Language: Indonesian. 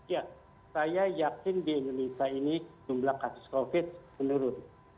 ya saya yakin di indonesia ini jumlah kasus covid menurun